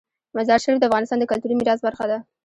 مزارشریف د افغانستان د کلتوري میراث برخه ده.